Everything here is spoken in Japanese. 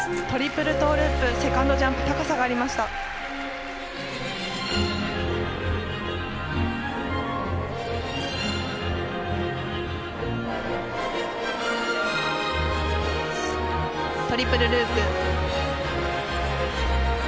トリプルループ。